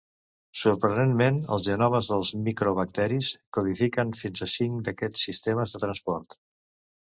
Sorprenentment, els genomes dels micobacteris codifiquen fins a cinc d'aquests sistemes de transport.